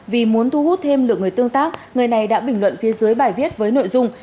vì muốn thu hút thêm lượng người tương tác người này đã bình luận phía dưới bài viết với nội dung